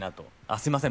すみません。